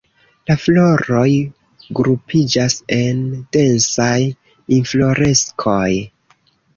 La floroj grupiĝas en densaj infloreskoj.